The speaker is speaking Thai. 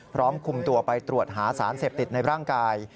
พร้อมคุมตัวไปตรวจหาสารเสพติดในร่างกาย